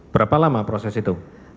berapa lama proses itu